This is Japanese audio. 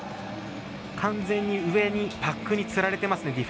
完全に上にパックにつられてますね。